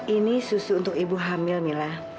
ini susu untuk ibu hamil mila